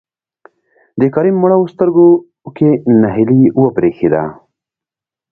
د کريم مړاوو سترګو کې نهيلي وبرېښېده.